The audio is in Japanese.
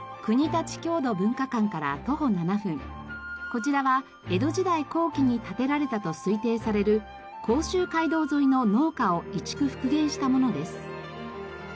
こちらは江戸時代後期に建てられたと推定される甲州街道沿いの農家を移築復元したものです。